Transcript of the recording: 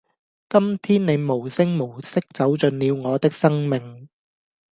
今天你無聲無息走進了我的生命